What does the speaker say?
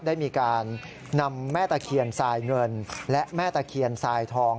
ได้มีการนำแม่ตะเคียนทรายเงินและแม่ตะเคียนทรายทอง